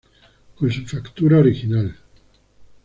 Con su factura original.